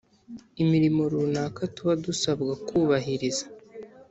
umirimo runaka tuba dusabwa kubahiriza.